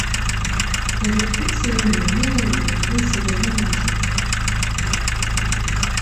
Ad ixdem s idammen-nni ayen yexdem s idammen n uɛejmi.